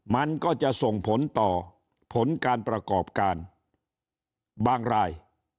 มันก็จะส่งผลต่อผลการประกอบการบางราย